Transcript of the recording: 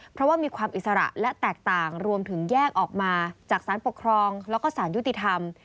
เพราะว่ามีความอิสระและแตกต่างรวมถึงแยกออกมาจากสารปกครองแล้วก็สารยุติธรรม